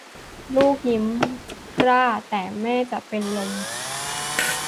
ลูกยิ้มร่า แต่แม่จะเป็นลม